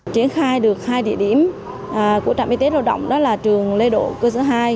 triển khai được hai địa điểm của trạm y tế lao động đó là trường lê độ cơ sở hai